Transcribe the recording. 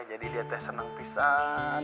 jadi dia teh senang pisang